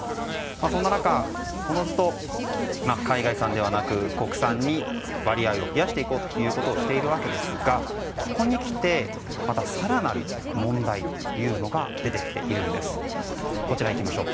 そんな中、おのずと海外産ではなく国産に割合を増やしていこうとしていますがここに来てまた更なる問題が出てきています。